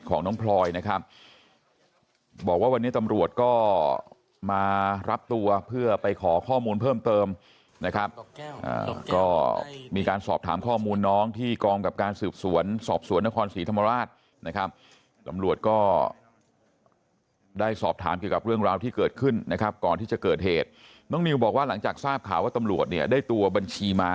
ของน้องพลอยนะครับบอกว่าวันนี้ตำรวจก็มารับตัวเพื่อไปขอข้อมูลเพิ่มเติมนะครับก็มีการสอบถามข้อมูลน้องที่กองกับการสืบสวนสอบสวนนครศรีธรรมราชนะครับตำรวจก็ได้สอบถามเกี่ยวกับเรื่องราวที่เกิดขึ้นนะครับก่อนที่จะเกิดเหตุน้องนิวบอกว่าหลังจากทราบข่าวว่าตำรวจเนี่ยได้ตัวบัญชีมา